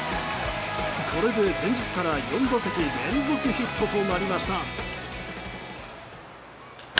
これで前日から４打席連続ヒットとなりました。